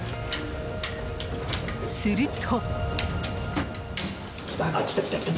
すると。